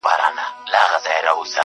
ستا په تعويذ نه كيږي زما په تعويذ نه كيږي